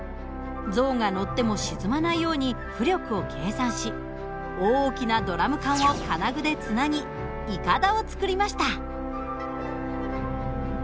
象が乗っても沈まないように浮力を計算し大きなドラム缶を金具でつなぎいかだを作りました。